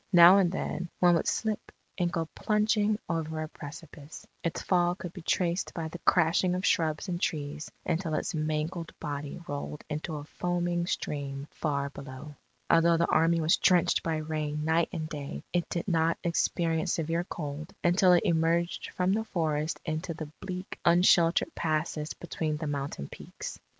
Now and then, one would slip and go plunging over a precipice; its fall could be traced by the crashing of shrubs and trees until its mangled body rolled into a foaming stream far below. Although the Army was drenched by rain night and day, it did not experience severe cold until it emerged from the forests into the bleak unsheltered passes between the mountain peaks.